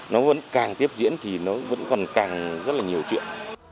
nó vẫn càng tiếp diễn thì nó vẫn còn càng rất là nhiều chuyện